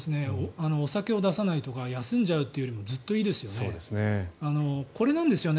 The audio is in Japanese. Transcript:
お酒を出さないとか休んじゃうというよりもずっといいですよね。